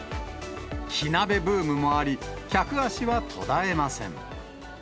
火鍋ブームもあり、客足は途絶えません。